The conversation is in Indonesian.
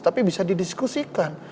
tapi bisa didiskusikan